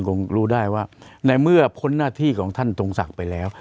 คงรู้ได้ว่าในเมื่อพ้นหน้าที่ของท่านทรงศักดิ์ไปแล้ว